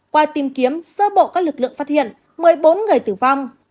qua tìm kiếm sơ bộ các lực lượng phát hiện một mươi bốn người tử vong